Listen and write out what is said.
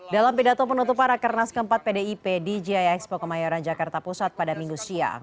dalam pidato penutupan rakernas keempat pdip di gia expo kemayoran jakarta pusat pada minggu siang